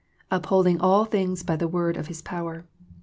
*' Up holding all things by the word of His power."